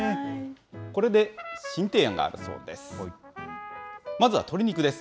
これで新提案があるそうです。